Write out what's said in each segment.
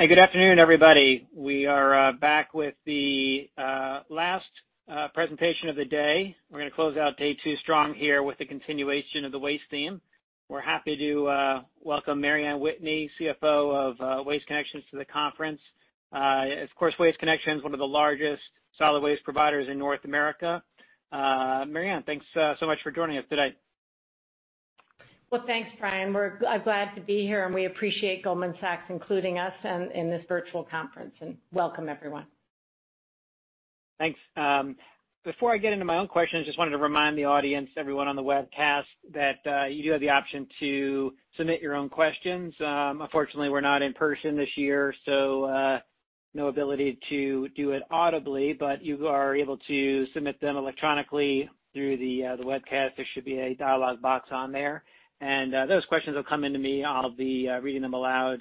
Hey, good afternoon, everybody. We are back with the last presentation of the day. We're going to close out day two strong here with the continuation of the waste theme. We're happy to welcome Mary Anne Whitney, CFO of Waste Connections to the conference. Of course, Waste Connections, one of the largest solid waste providers in North America. Mary Anne, thanks so much for joining us today. Well, thanks, Brian. We're glad to be here, and we appreciate Goldman Sachs including us in this virtual conference, and welcome everyone. Thanks. Before I get into my own questions, just wanted to remind the audience, everyone on the webcast, that you do have the option to submit your own questions. Unfortunately, we're not in person this year, so no ability to do it audibly, but you are able to submit them electronically through the webcast. There should be a dialog box on there. Those questions will come into me. I'll be reading them aloud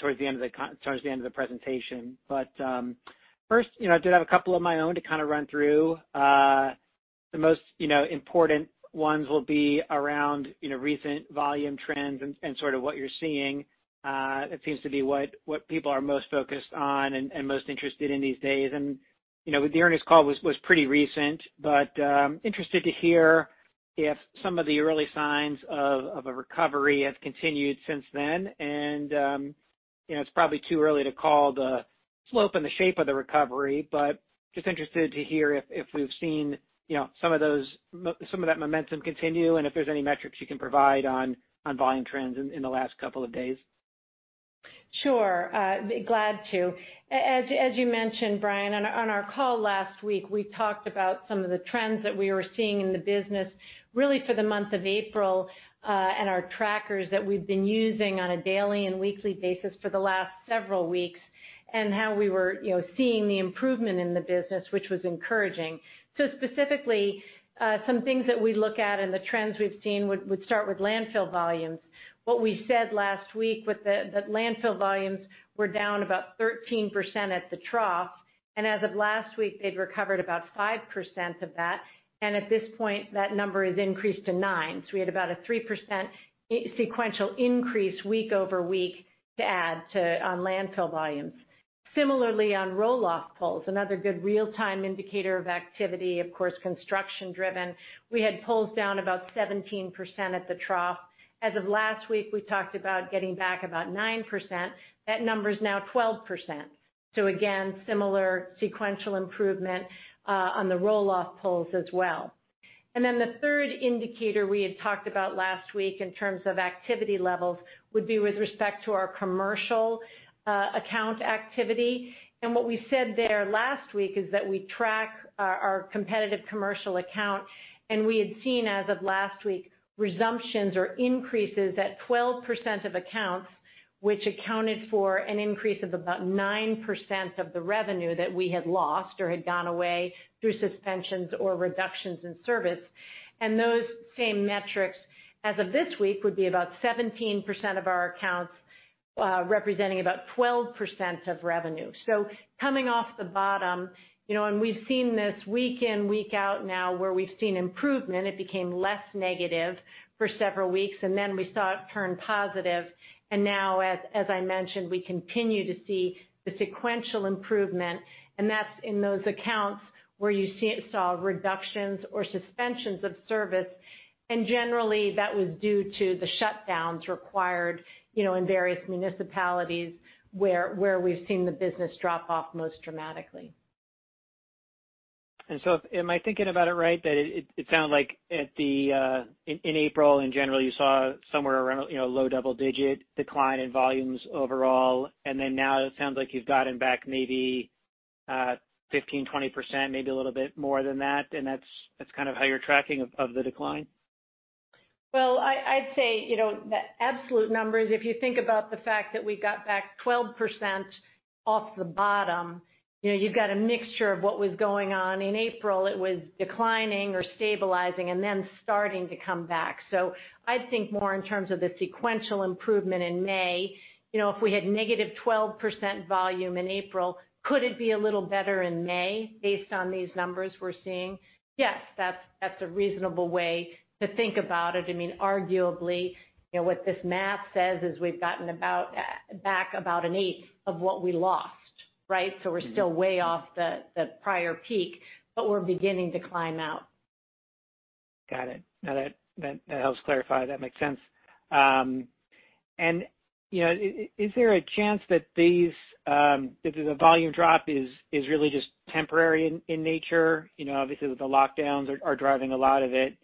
towards the end of the presentation. First, I did have a couple of my own to kind of run through. The most important ones will be around recent volume trends and sort of what you're seeing. It seems to be what people are most focused on and most interested in these days. The earnings call was pretty recent, but interested to hear if some of the early signs of a recovery have continued since then. It's probably too early to call the slope and the shape of the recovery, but just interested to hear if we've seen some of that momentum continue and if there's any metrics you can provide on volume trends in the last couple of days. Sure. Glad to. As you mentioned, Adam Bubes, on our call last week, we talked about some of the trends that we were seeing in the business really for the month of April, and our trackers that we've been using on a daily and weekly basis for the last several weeks, and how we were seeing the improvement in the business, which was encouraging. Specifically, some things that we look at and the trends we've seen would start with landfill volumes. What we said last week with the landfill volumes were down about 13% at the trough, and as of last week, they'd recovered about 5% of that, and at this point, that number has increased to nine. We had about a 3% sequential increase week-over-week to add to landfill volumes. Similarly, on roll-off pulls, another good real-time indicator of activity, of course, construction-driven. We had pulls down about 17% at the trough. As of last week, we talked about getting back about 9%. That number is now 12%. Again, similar sequential improvement on the roll-off pulls as well. The third indicator we had talked about last week in terms of activity levels would be with respect to our commercial account activity. What we said there last week is that we track our competitive commercial account, and we had seen as of last week, resumptions or increases at 12% of accounts, which accounted for an increase of about 9% of the revenue that we had lost or had gone away through suspensions or reductions in service. Those same metrics as of this week would be about 17% of our accounts, representing about 12% of revenue. Coming off the bottom, we've seen this week in, week out now where we've seen improvement. It became less negative for several weeks, and then we saw it turn positive, and now, as I mentioned, we continue to see the sequential improvement, and that's in those accounts where you saw reductions or suspensions of service. Generally, that was due to the shutdowns required in various municipalities where we've seen the business drop off most dramatically. Am I thinking about it right? That it sound like in April, in general, you saw somewhere around low double-digit decline in volumes overall, and then now it sounds like you've gotten back maybe 15%, 20%, maybe a little bit more than that, and that's kind of how you're tracking of the decline? Well, I'd say, the absolute numbers, if you think about the fact that we got back 12% off the bottom, you've got a mixture of what was going on in April. It was declining or stabilizing and then starting to come back. I think more in terms of the sequential improvement in May, if we had negative 12% volume in April, could it be a little better in May based on these numbers we're seeing? Yes. That's a reasonable way to think about it. Arguably, what this math says is we've gotten back about an eighth of what we lost. Right? We're still way off the prior peak, but we're beginning to climb out. Got it. No, that helps clarify. That makes sense. Is there a chance that the volume drop is really just temporary in nature? Obviously, the lockdowns are driving a lot of it.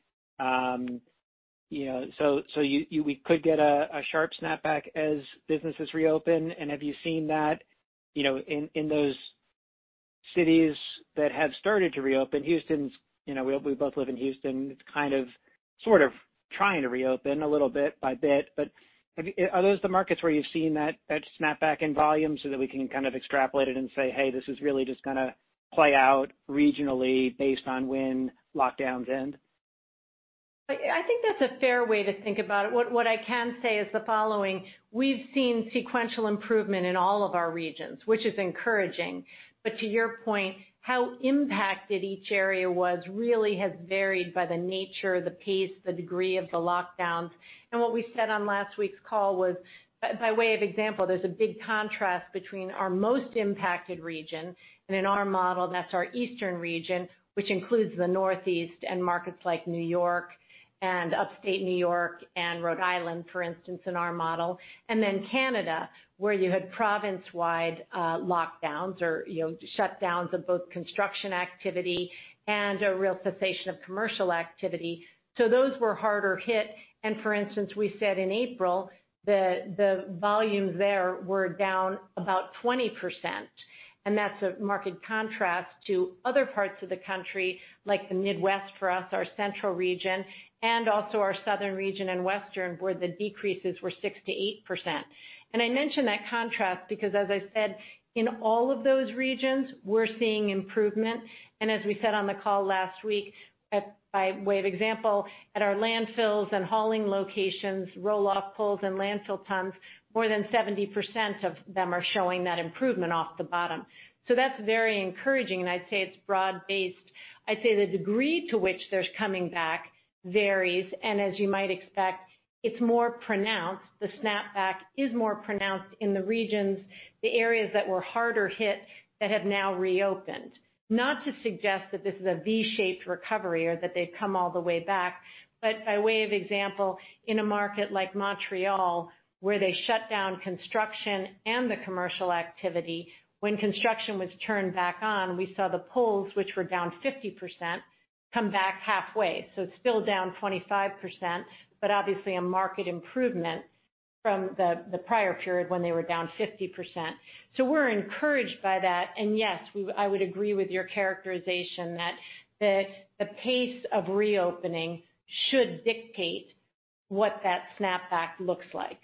We could get a sharp snapback as businesses reopen, and have you seen that in those cities that have started to reopen? We both live in Houston. It's kind of sort of trying to reopen a little bit by bit, are those the markets where you've seen that snapback in volume so that we can kind of extrapolate it and say, "Hey, this is really just going to play out regionally based on when lockdowns end"? I think that's a fair way to think about it. What I can say is the following: we've seen sequential improvement in all of our regions, which is encouraging. To your point, how impacted each area was really has varied by the nature, the pace, the degree of the lockdowns. What we said on last week's call was, by way of example, there's a big contrast between our most impacted region, and in our model, that's our eastern region, which includes the Northeast and markets like New York and Upstate New York and Rhode Island, for instance, in our model. Then Canada, where you had province-wide lockdowns or shutdowns of both construction activity and a real cessation of commercial activity. Those were harder hit. For instance, we said in April, the volumes there were down about 20%. That's a marked contrast to other parts of the country, like the Midwest for us, our central region, and also our southern region and western, where the decreases were 6%-8%. I mention that contrast because, as I said, in all of those regions, we're seeing improvement. As we said on the call last week, by way of example, at our landfills and hauling locations, roll-off pulls and landfill tons, more than 70% of them are showing that improvement off the bottom. That's very encouraging, and I'd say it's broad-based. I'd say the degree to which there's coming back varies, and as you might expect, it's more pronounced, the snapback is more pronounced in the regions, the areas that were harder hit that have now reopened. Not to suggest that this is a V-shaped recovery or that they've come all the way back, but by way of example, in a market like Montreal, where they shut down construction and the commercial activity, when construction was turned back on, we saw the pulls, which were down 50%, come back halfway. It's still down 25%, but obviously a market improvement from the prior period when they were down 50%. We're encouraged by that, and yes, I would agree with your characterization that the pace of reopening should dictate what that snapback looks like.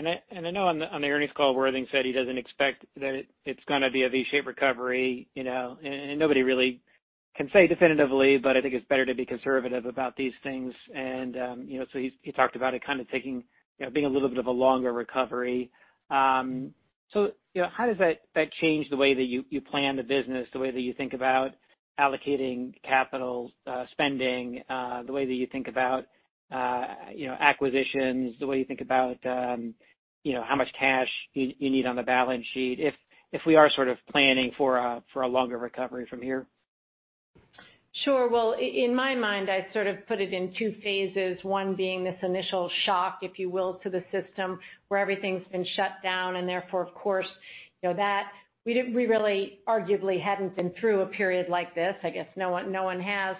I know on the earnings call, Worthing said he doesn't expect that it's going to be a V-shaped recovery. Nobody really can say definitively, but I think it's better to be conservative about these things. He talked about it kind of being a little bit of a longer recovery. How does that change the way that you plan the business, the way that you think about allocating capital spending, the way that you think about acquisitions, the way you think about how much cash you need on the balance sheet, if we are sort of planning for a longer recovery from here? Sure. Well, in my mind, I sort of put it in two phases. One being this initial shock, if you will, to the system where everything's been shut down and therefore, of course, we really arguably hadn't been through a period like this, I guess no one has.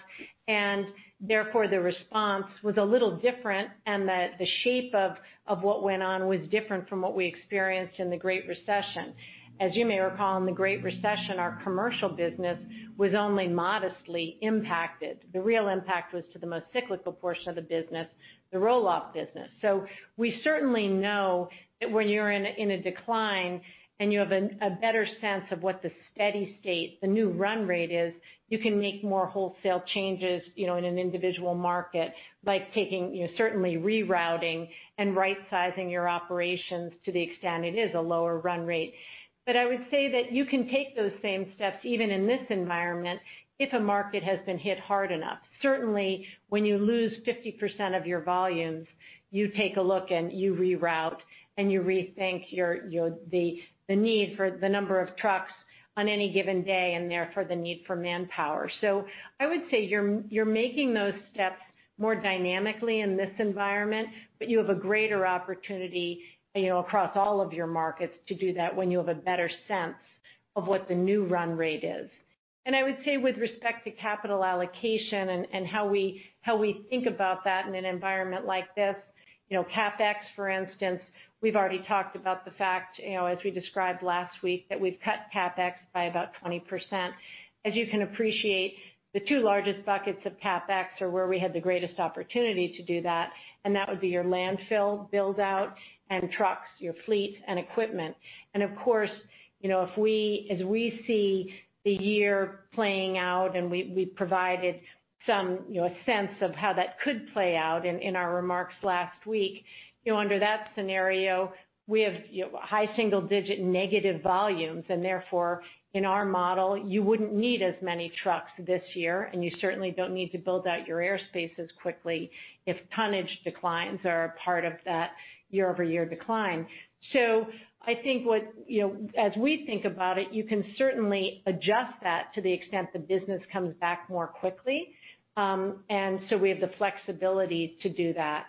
Therefore, the response was a little different and that the shape of what went on was different from what we experienced in the Great Recession. As you may recall, in the Great Recession, our commercial business was only modestly impacted. The real impact was to the most cyclical portion of the business, the roll-off business. We certainly know that when you're in a decline and you have a better sense of what the steady state, the new run rate is, you can make more wholesale changes in an individual market, like certainly rerouting and right-sizing your operations to the extent it is a lower run rate. I would say that you can take those same steps even in this environment if a market has been hit hard enough. Certainly, when you lose 50% of your volumes, you take a look and you reroute and you rethink the need for the number of trucks on any given day, and therefore the need for manpower. I would say you're making those steps more dynamically in this environment, but you have a greater opportunity across all of your markets to do that when you have a better sense of what the new run rate is. I would say with respect to capital allocation and how we think about that in an environment like this, CapEx, for instance, we've already talked about the fact, as we described last week, that we've cut CapEx by about 20%. As you can appreciate, the two largest buckets of CapEx are where we had the greatest opportunity to do that, and that would be your landfill build-out and trucks, your fleet and equipment. Of course, as we see the year playing out and we provided a sense of how that could play out in our remarks last week. Under that scenario, we have high single-digit negative volumes, and therefore, in our model, you wouldn't need as many trucks this year, and you certainly don't need to build out your airspace as quickly if tonnage declines are a part of that year-over-year decline. I think as we think about it, you can certainly adjust that to the extent the business comes back more quickly. We have the flexibility to do that.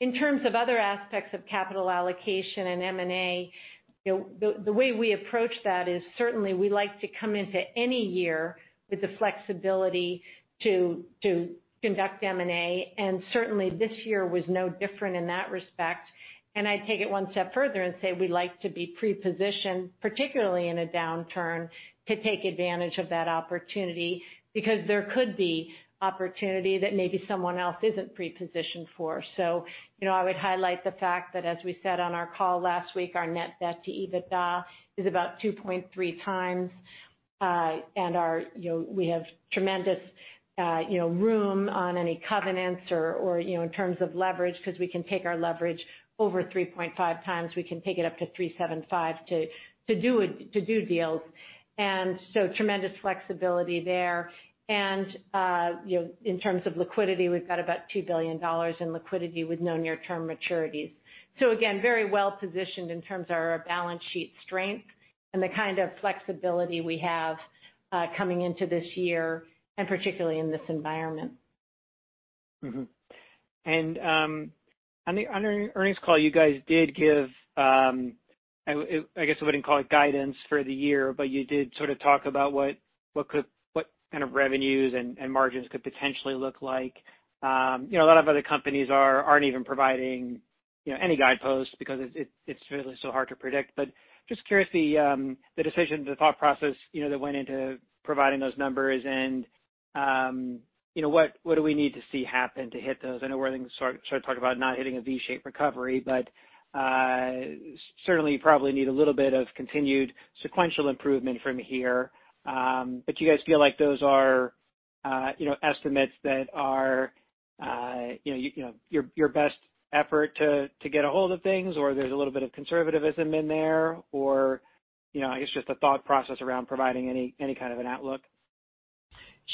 In terms of other aspects of capital allocation and M&A, the way we approach that is certainly we like to come into any year with the flexibility to conduct M&A, and certainly this year was no different in that respect. I'd take it one step further and say we like to be pre-positioned, particularly in a downturn, to take advantage of that opportunity because there could be opportunity that maybe someone else isn't pre-positioned for. I would highlight the fact that as we said on our call last week, our net debt to EBITDA is about 2.3 times. We have tremendous room on any covenants or in terms of leverage, because we can take our leverage over 3.5 times. We can take it up to 3.75 to do deals. Tremendous flexibility there. In terms of liquidity, we've got about $2 billion in liquidity with no near-term maturities. Again, very well-positioned in terms of our balance sheet strength and the kind of flexibility we have coming into this year, and particularly in this environment. On the earnings call, you guys did give, I guess I wouldn't call it guidance for the year, but you did sort of talk about what kind of revenues and margins could potentially look like. A lot of other companies aren't even providing any guideposts because it's really so hard to predict, just curious the decision, the thought process that went into providing those numbers and what do we need to see happen to hit those? I know we're starting to talk about not hitting a V-shaped recovery, but certainly you probably need a little bit of continued sequential improvement from here. Do you guys feel like those are estimates that are your best effort to get ahold of things, or there's a little bit of conservativism in there? I guess just the thought process around providing any kind of an outlook.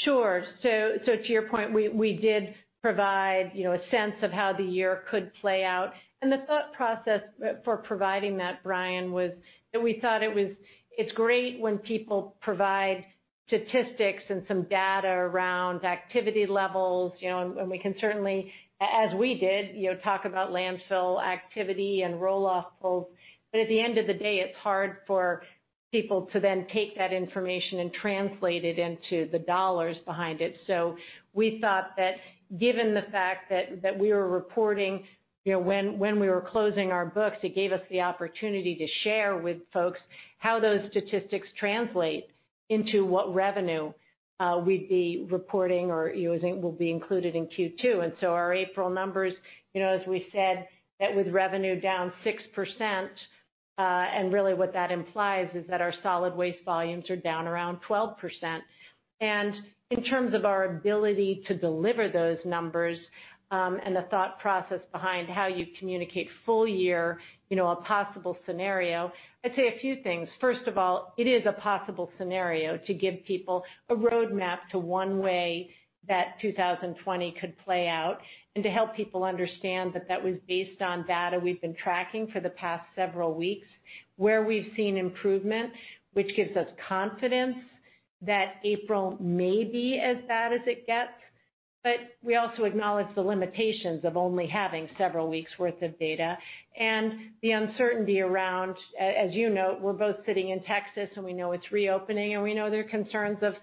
Sure. To your point, we did provide a sense of how the year could play out, and the thought process for providing that, Brian, was that we thought it's great when people provide statistics and some data around activity levels, and we can certainly, as we did, talk about landfill activity and roll-off pulls. At the end of the day, it's hard for people to then take that information and translate it into the $ behind it. We thought that given the fact that we were reporting when we were closing our books, it gave us the opportunity to share with folks how those statistics translate into what revenue we'd be reporting or will be included in Q2. Our April numbers, as we said, that with revenue down 6%, and really what that implies is that our solid waste volumes are down around 12%. In terms of our ability to deliver those numbers, and the thought process behind how you communicate full year, a possible scenario, I'd say a few things. First of all, it is a possible scenario to give people a roadmap to one way that 2020 could play out and to help people understand that that was based on data we've been tracking for the past several weeks, where we've seen improvement, which gives us confidence that April may be as bad as it gets. We also acknowledge the limitations of only having several weeks worth of data and the uncertainty around, as you know, we're both sitting in Texas, and we know it's reopening, and we know there are concerns of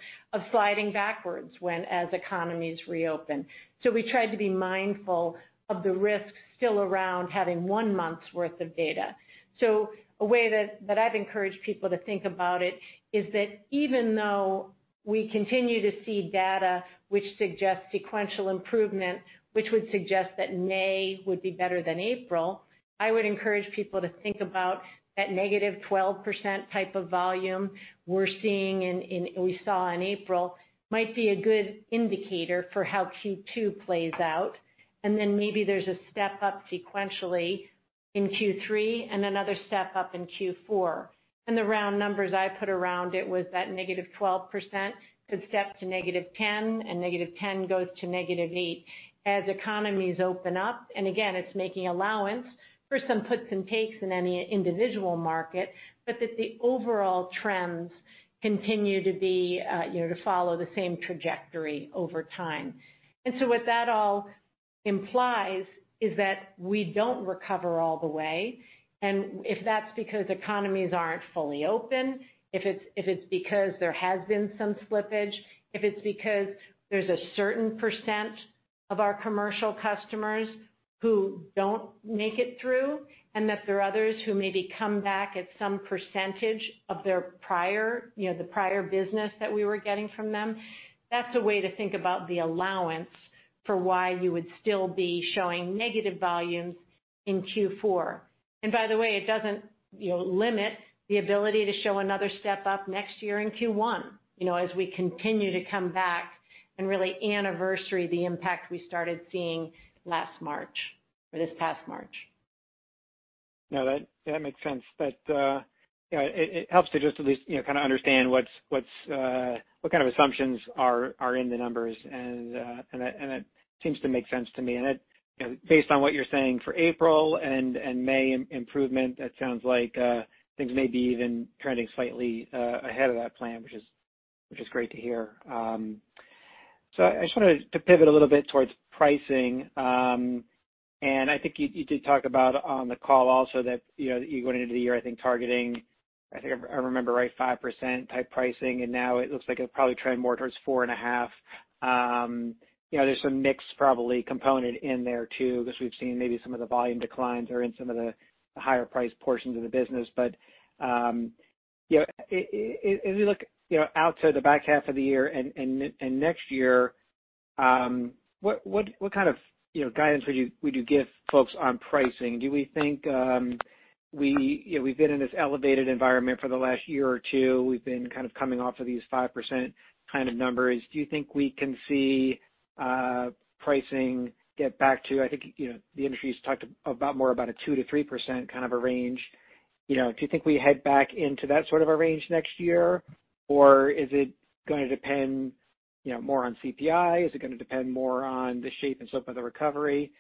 sliding backwards as economies reopen. We tried to be mindful of the risks still around having one month's worth of data. A way that I've encouraged people to think about it is that even though we continue to see data which suggests sequential improvement, which would suggest that May would be better than April, I would encourage people to think about that -12% type of volume we saw in April might be a good indicator for how Q2 plays out. Maybe there's a step up sequentially in Q3 and another step up in Q4. The round numbers I put around it was that -12% could step to -10%, and -10% goes to -8% as economies open up. Again, it's making allowance for some puts and takes in any individual market, but that the overall trends continue to follow the same trajectory over time. What that all implies is that we don't recover all the way, and if that's because economies aren't fully open, if it's because there has been some slippage, if it's because there's a certain percent of our commercial customers who don't make it through, and that there are others who maybe come back at some percentage of the prior business that we were getting from them, that's a way to think about the allowance for why you would still be showing negative volumes in Q4. By the way, it doesn't limit the ability to show another step up next year in Q1, as we continue to come back and really anniversary the impact we started seeing last March or this past March. No, that makes sense. It helps to just at least kind of understand what kind of assumptions are in the numbers, and that seems to make sense to me. Based on what you're saying for April and May improvement, that sounds like things may be even trending slightly ahead of that plan, which is great to hear. I just wanted to pivot a little bit towards pricing. I think you did talk about on the call also that you went into the year, I think, targeting, I think if I remember right, 5% type pricing, and now it looks like it probably trend more towards 4.5%. There's some mix probably component in there too, because we've seen maybe some of the volume declines are in some of the higher priced portions of the business. As we look out to the back half of the year and next year. What kind of guidance would you give folks on pricing? We've been in this elevated environment for the last year or two. We've been kind of coming off of these 5% kind of numbers. Do you think we can see pricing get back to, I think, the industry's talked about more about a 2% to 3% kind of a range. Do you think we head back into that sort of a range next year, or is it going to depend more on CPI? Is it going to depend more on the shape and slope of the recovery?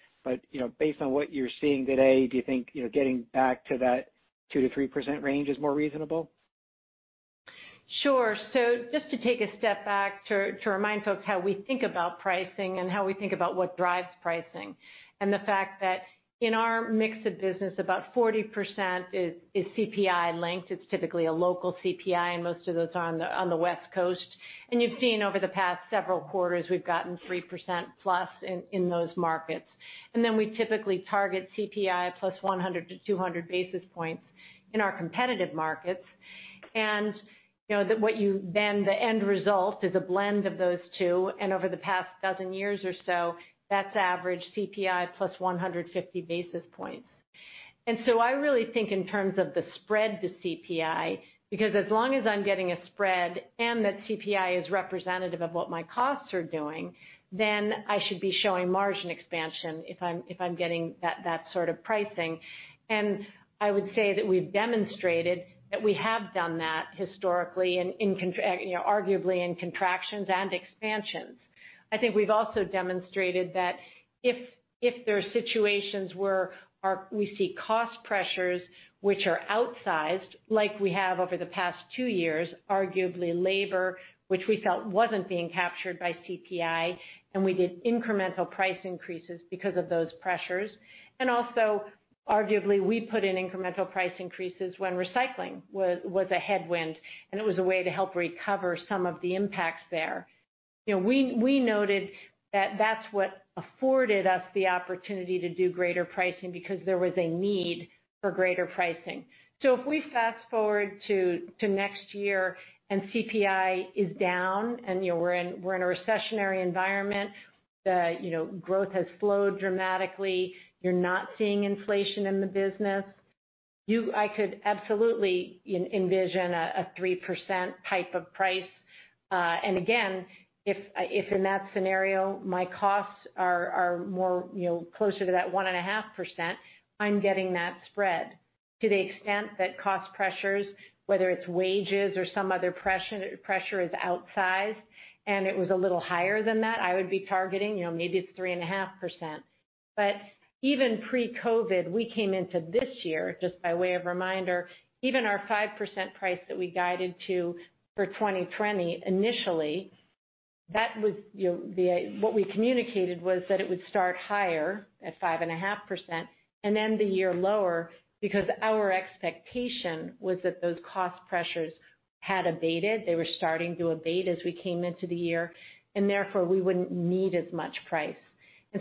Based on what you're seeing today, do you think getting back to that 2% to 3% range is more reasonable? Sure. Just to take a step back to remind folks how we think about pricing and how we think about what drives pricing, and the fact that in our mix of business, about 40% is CPI-linked. It's typically a local CPI, and most of those are on the West Coast. You've seen over the past several quarters, we've gotten 3% plus in those markets. We typically target CPI plus 100 to 200 basis points in our competitive markets. The end result is a blend of those two, and over the past dozen years or so, that's averaged CPI plus 150 basis points. I really think in terms of the spread to CPI, because as long as I'm getting a spread and that CPI is representative of what my costs are doing, then I should be showing margin expansion if I'm getting that sort of pricing. I would say that we've demonstrated that we have done that historically and arguably in contractions and expansions. I think we've also demonstrated that if there are situations where we see cost pressures which are outsized, like we have over the past two years, arguably labor, which we felt wasn't being captured by CPI, and we did incremental price increases because of those pressures. Also, arguably, we put in incremental price increases when recycling was a headwind, and it was a way to help recover some of the impacts there. We noted that that's what afforded us the opportunity to do greater pricing because there was a need for greater pricing. If we fast-forward to next year and CPI is down and we're in a recessionary environment, the growth has slowed dramatically. You're not seeing inflation in the business. I could absolutely envision a 3% type of price. Again, if in that scenario, my costs are closer to that 1.5%, I'm getting that spread. To the extent that cost pressures, whether it's wages or some other pressure, is outsized and it was a little higher than that, I would be targeting maybe 3.5%. Even pre-COVID, we came into this year, just by way of reminder, even our 5% price that we guided to for 2020 initially, what we communicated was that it would start higher at 5.5% and then the year lower because our expectation was that those cost pressures had abated. They were starting to abate as we came into the year, and therefore we wouldn't need as much price.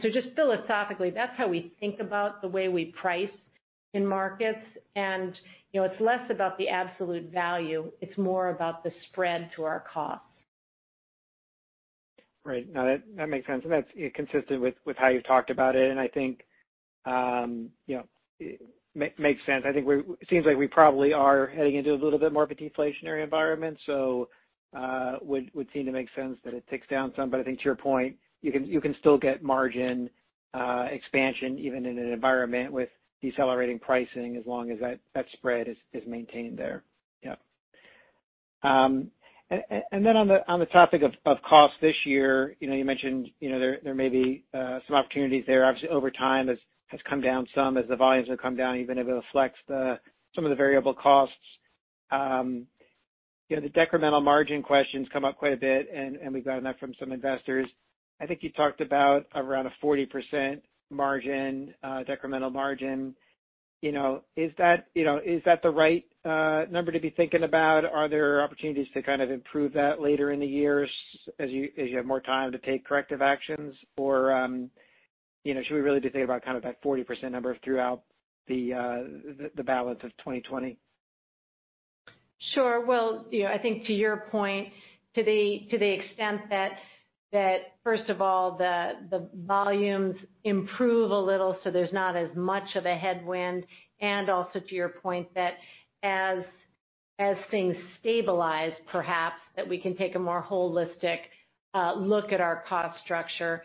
Just philosophically, that's how we think about the way we price in markets, and it's less about the absolute value. It's more about the spread to our costs. Right. No, that makes sense. That's consistent with how you've talked about it, and I think makes sense. It seems like we probably are heading into a little bit more of a deflationary environment. Would seem to make sense that it ticks down some. I think to your point, you can still get margin expansion even in an environment with decelerating pricing as long as that spread is maintained there. Yep. On the topic of cost this year, you mentioned there may be some opportunities there. Obviously, over time, has come down some as the volumes have come down, even if it reflects some of the variable costs. The decremental margin question's come up quite a bit. We've gotten that from some investors. I think you talked about around a 40% decremental margin. Is that the right number to be thinking about? Are there opportunities to kind of improve that later in the years as you have more time to take corrective actions? Or should we really just think about that 40% number throughout the balance of 2020? Sure. Well, I think to your point, to the extent that first of all, the volumes improve a little, so there's not as much of a headwind, and also to your point that as things stabilize, perhaps, that we can take a more holistic look at our cost structure.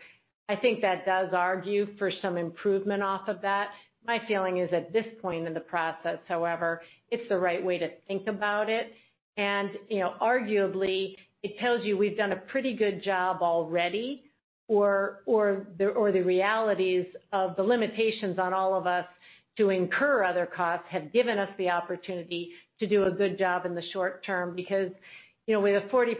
I think that does argue for some improvement off of that. My feeling is, at this point in the process, however, it's the right way to think about it. Arguably, it tells you we've done a pretty good job already or the realities of the limitations on all of us to incur other costs have given us the opportunity to do a good job in the short term because with a 40%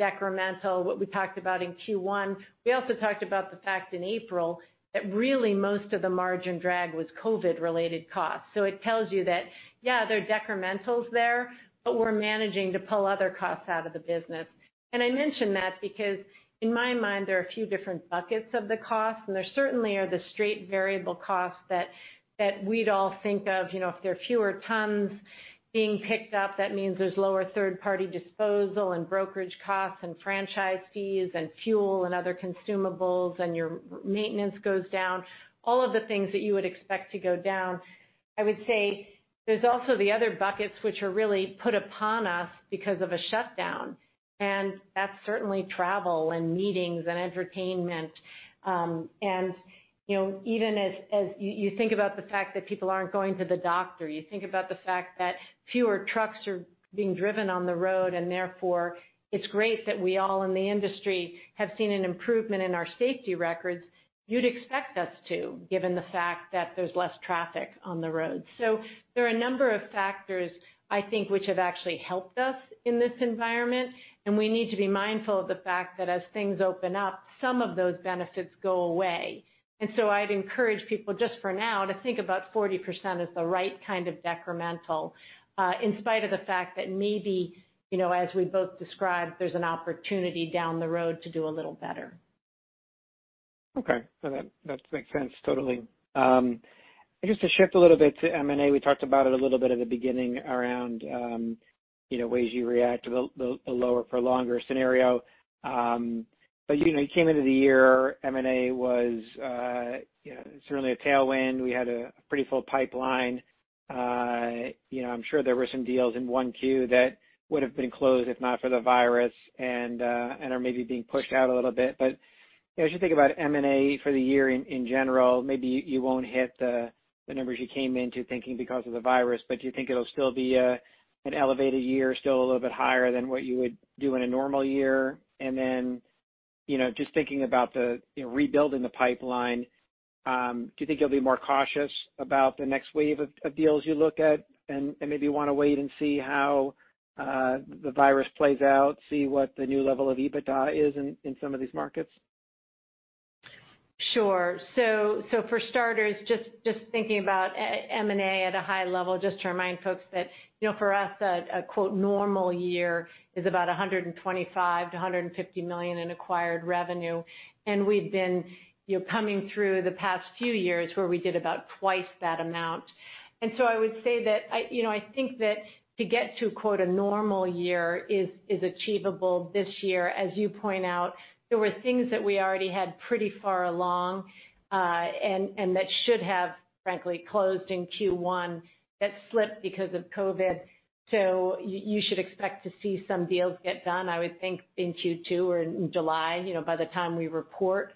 decremental, what we talked about in Q1, we also talked about the fact in April that really most of the margin drag was COVID-related costs. It tells you that, yeah, there are decrementals there, but we're managing to pull other costs out of the business. I mention that because, in my mind, there are a few different buckets of the cost, and there certainly are the straight variable costs that we'd all think of. If there are fewer tons being picked up, that means there's lower third-party disposal and brokerage costs and franchise fees and fuel and other consumables, and your maintenance goes down. All of the things that you would expect to go down. I would say there's also the other buckets which are really put upon us because of a shutdown, and that's certainly travel and meetings and entertainment. Even as you think about the fact that people aren't going to the doctor, you think about the fact that fewer trucks are being driven on the road, and therefore, it's great that we all in the industry have seen an improvement in our safety records. You'd expect us to, given the fact that there's less traffic on the road. There are a number of factors, I think, which have actually helped us in this environment, and we need to be mindful of the fact that as things open up, some of those benefits go away. I'd encourage people, just for now, to think about 40% as the right kind of decremental, in spite of the fact that maybe, as we both described, there's an opportunity down the road to do a little better. Okay. That makes sense totally. Just to shift a little bit to M&A, we talked about it a little bit at the beginning around ways you react to the lower for longer scenario. You came into the year, M&A was certainly a tailwind. We had a pretty full pipeline. I'm sure there were some deals in 1Q that would've been closed if not for the virus and are maybe being pushed out a little bit. As you think about M&A for the year in general, maybe you won't hit the numbers you came into thinking because of the virus, but do you think it'll still be an elevated year, still a little bit higher than what you would do in a normal year? Just thinking about the rebuilding the pipeline, do you think you'll be more cautious about the next wave of deals you look at and maybe want to wait and see how the virus plays out, see what the new level of EBITDA is in some of these markets? Sure. For starters, just thinking about M&A at a high level, just to remind folks that for us, a quote "normal year" is about $125 million-$150 million in acquired revenue. We've been coming through the past few years where we did about twice that amount. I would say that I think that to get to quote a "normal year" is achievable this year. As you point out, there were things that we already had pretty far along, and that should have, frankly, closed in Q1 that slipped because of COVID. You should expect to see some deals get done, I would think in Q2 or in July, by the time we report,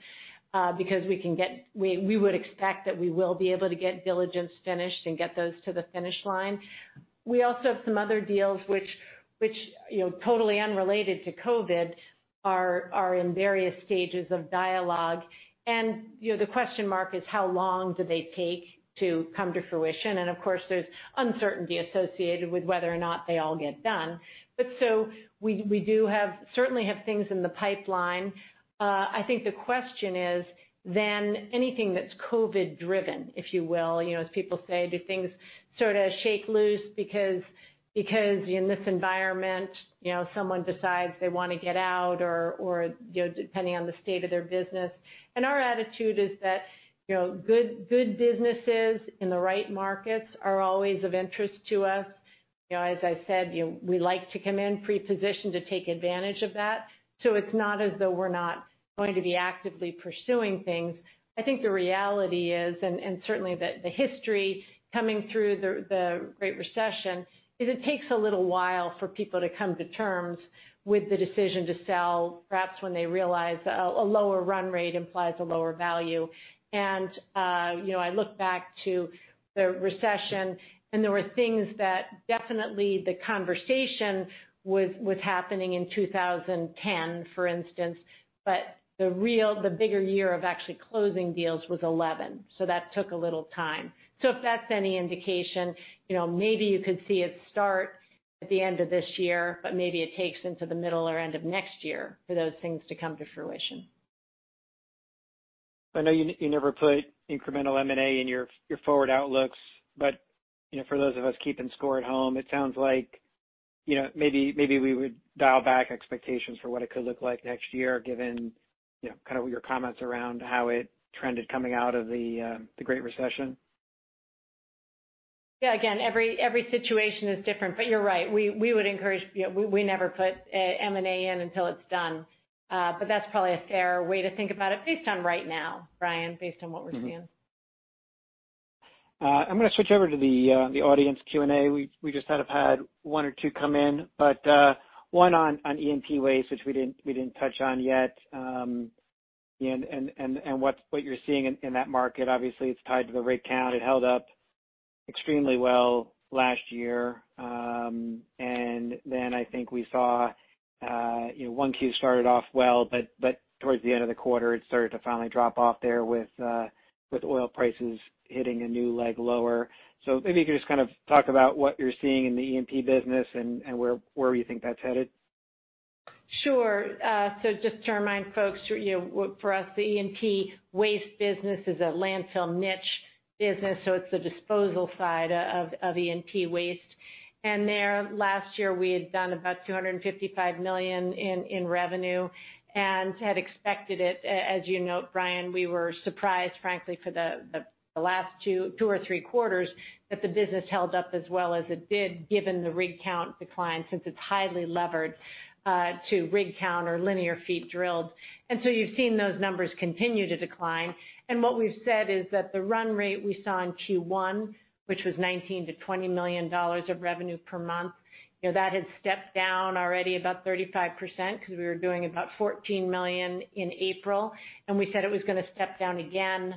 because we would expect that we will be able to get diligence finished and get those to the finish line. We also have some other deals which, totally unrelated to COVID, are in various stages of dialogue. The question mark is how long do they take to come to fruition? Of course, there's uncertainty associated with whether or not they all get done. We certainly have things in the pipeline. I think the question is then anything that's COVID-driven, if you will, as people say, do things sort of shake loose because in this environment, someone decides they want to get out or depending on the state of their business. Our attitude is that good businesses in the right markets are always of interest to us. As I said, we like to come in pre-positioned to take advantage of that, so it's not as though we're not going to be actively pursuing things. I think the reality is, and certainly the history coming through the Great Recession, is it takes a little while for people to come to terms with the decision to sell, perhaps when they realize a lower run rate implies a lower value. I look back to the recession, and there were things that definitely the conversation was happening in 2010, for instance, but the bigger year of actually closing deals was 2011. That took a little time. If that's any indication, maybe you could see it start at the end of this year, but maybe it takes into the middle or end of next year for those things to come to fruition. I know you never put incremental M&A in your forward outlooks, but for those of us keeping score at home, it sounds like maybe we would dial back expectations for what it could look like next year, given your comments around how it trended coming out of the Great Recession. Yeah. Again, every situation is different, but you're right. We never put M&A in until it's done. That's probably a fair way to think about it based on right now, Adam, based on what we're seeing. I'm going to switch over to the audience Q&A. We just had one or two come in. One on E&P waste, which we didn't touch on yet. What you're seeing in that market, obviously, it's tied to the rig count. It held up extremely well last year. I think we saw 1Q started off well, but towards the end of the quarter, it started to finally drop off there with oil prices hitting a new leg lower. Maybe you could just talk about what you're seeing in the E&P business and where you think that's headed. Sure. Just to remind folks, for us, the E&P waste business is a landfill niche business, so it's the disposal side of E&P waste. There, last year, we had done about $255 million in revenue and had expected it. As you note, Adam, we were surprised, frankly, for the last two or three quarters that the business held up as well as it did given the rig count decline, since it's highly levered to rig count or linear feet drilled. You've seen those numbers continue to decline. What we've said is that the run rate we saw in Q1, which was $19 million-$20 million of revenue per month, that has stepped down already about 35% because we were doing about $14 million in April. We said it was going to step down again.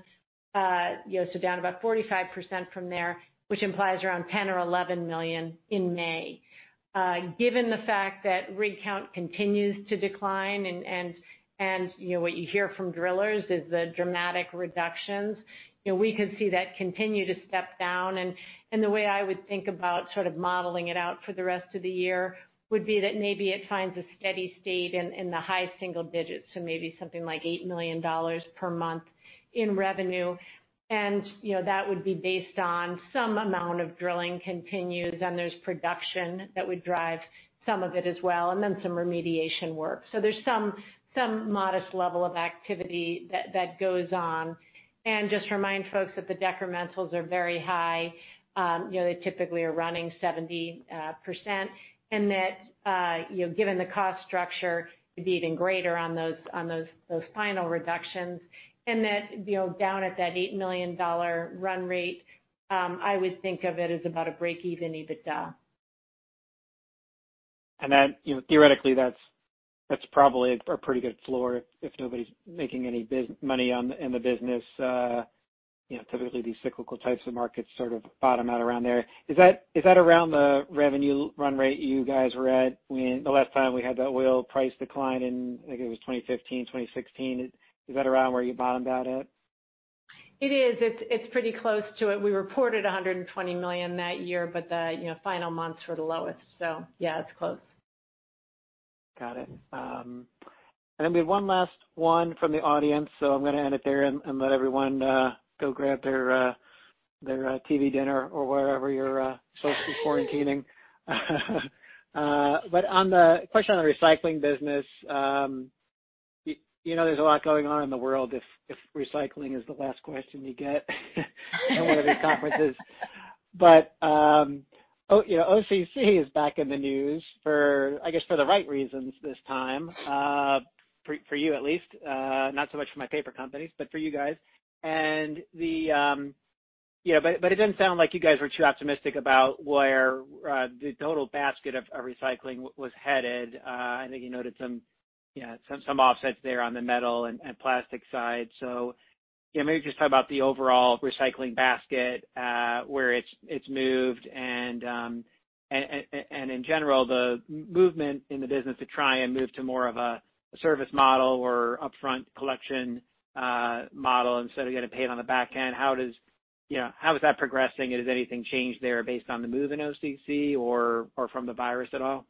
Down about 45% from there, which implies around $10 million or $11 million in May. Given the fact that rig count continues to decline and what you hear from drillers is the dramatic reductions, we could see that continue to step down. The way I would think about sort of modeling it out for the rest of the year would be that maybe it finds a steady state in the high single digits, so maybe something like $8 million per month in revenue. That would be based on some amount of drilling continues, and there's production that would drive some of it as well, and then some remediation work. There's some modest level of activity that goes on. Just remind folks that the decrementals are very high. They typically are running 70%, and that, given the cost structure could be even greater on those final reductions, and that down at that $8 million run rate, I would think of it as about a breakeven EBITDA. Then theoretically, that's probably a pretty good floor if nobody's making any money in the business. Typically, these cyclical types of markets sort of bottom out around there. Is that around the revenue run rate you guys were at the last time we had that oil price decline in, I think it was 2015, 2016? Is that around where you bottomed out at? It is. It's pretty close to it. We reported $120 million that year, but the final months were the lowest. Yeah, it's close. Got it. We have one last one from the audience, so I'm going to end it there and let everyone go grab their TV dinner or wherever you're socially quarantining. On the question on the recycling business, you know there's a lot going on in the world if recycling is the last question you get in one of these conferences. OCC is back in the news for, I guess, for the right reasons this time, for you at least. Not so much for my paper companies, but for you guys. It didn't sound like you guys were too optimistic about where the total basket of recycling was headed. I think you noted some offsets there on the metal and plastic side. Maybe just talk about the overall recycling basket, where it's moved and, in general, the movement in the business to try and move to more of a service model or upfront collection model instead of getting paid on the back end. How is that progressing? Has anything changed there based on the move in OCC or from the virus at all?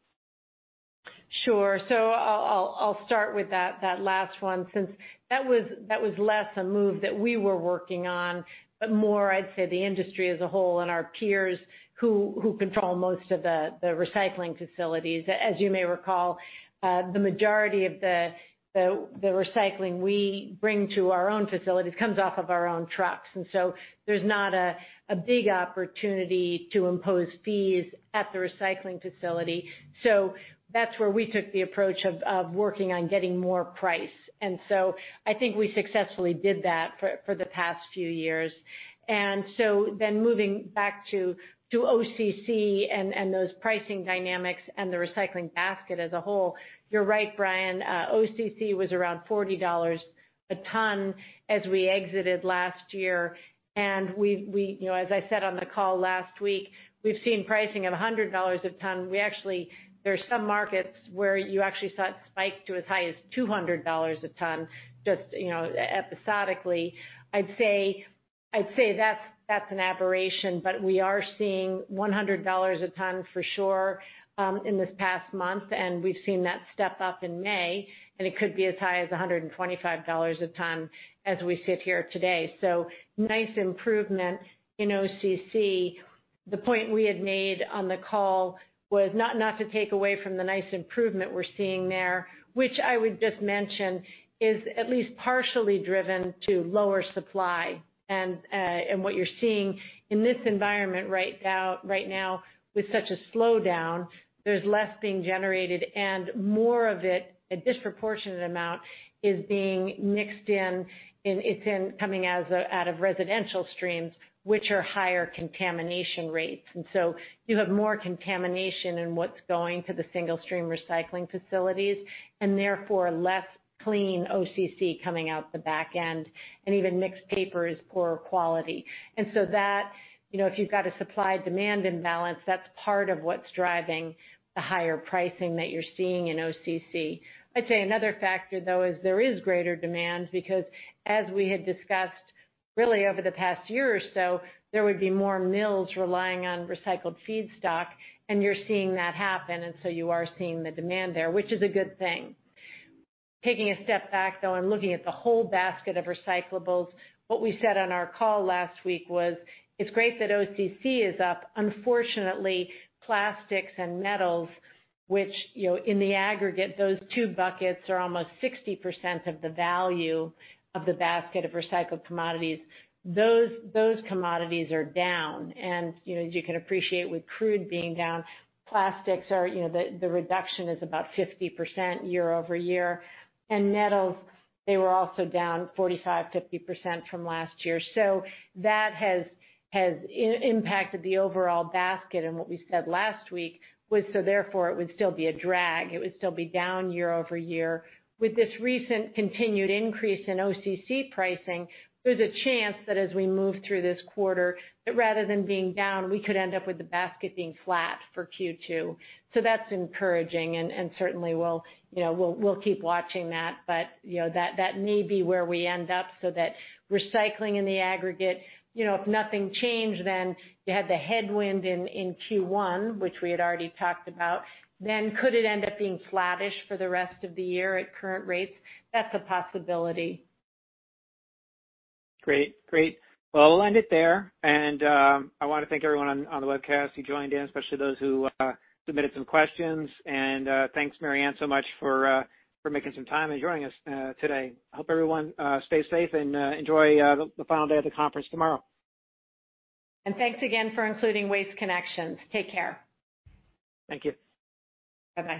Sure. I'll start with that last one, since that was less a move that we were working on, but more, I'd say, the industry as a whole and our peers who control most of the recycling facilities. As you may recall, the majority of the recycling we bring to our own facilities comes off of our own trucks, there's not a big opportunity to impose fees at the recycling facility. That's where we took the approach of working on getting more price. I think we successfully did that for the past few years. Moving back to OCC and those pricing dynamics and the recycling basket as a whole, you're right, Adam Bubes, OCC was around $40 a ton as we exited last year. As I said on the call last week, we've seen pricing of $100 a ton. There's some markets where you actually saw it spike to as high as $200 a ton, just episodically. I'd say that's an aberration, but we are seeing $100 a ton for sure in this past month, and we've seen that step up in May, and it could be as high as $125 a ton as we sit here today. Nice improvement in OCC. The point we had made on the call was not to take away from the nice improvement we're seeing there, which I would just mention is at least partially driven to lower supply. What you're seeing in this environment right now with such a slowdown, there's less being generated and more of it, a disproportionate amount, is being mixed in, coming out of residential streams, which are higher contamination rates. You have more contamination in what's going to the single-stream recycling facilities, and therefore less clean OCC coming out the back end, and even mixed paper is poorer quality. If you've got a supply-demand imbalance, that's part of what's driving the higher pricing that you're seeing in OCC. I'd say another factor, though, is there is greater demand because, as we had discussed really over the past year or so, there would be more mills relying on recycled feedstock, and you're seeing that happen. You are seeing the demand there, which is a good thing. Taking a step back, though, and looking at the whole basket of recyclables, what we said on our call last week was, it's great that OCC is up. Unfortunately, plastics and metals, which in the aggregate, those two buckets are almost 60% of the value of the basket of recycled commodities. Those commodities are down. As you can appreciate with crude being down, plastics, the reduction is about 50% year-over-year. Metals, they were also down 45%, 50% from last year. That has impacted the overall basket. What we said last week was therefore it would still be a drag. It would still be down year-over-year. With this recent continued increase in OCC pricing, there's a chance that as we move through this quarter, that rather than being down, we could end up with the basket being flat for Q2. That's encouraging, and certainly, we'll keep watching that. That may be where we end up so that recycling in the aggregate, if nothing changed, then you had the headwind in Q1, which we had already talked about, then could it end up being flattish for the rest of the year at current rates? That's a possibility. Great. Well, we'll end it there. I want to thank everyone on the webcast who joined in, especially those who submitted some questions. Thanks, Mary Anne, so much for making some time and joining us today. Hope everyone stays safe and enjoy the final day of the conference tomorrow. Thanks again for including Waste Connections. Take care. Thank you. Bye-bye.